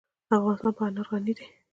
افغانستان په انار غني دی.